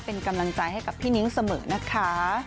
เป็นกำลังใจให้กับพี่นิ้งเสมอนะคะ